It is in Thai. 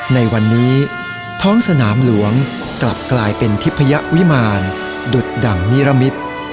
ในวันนี้ท้องสนามหลวงกลับกลายเป็นทิพยวิมารดุดดั่งนิรมิตร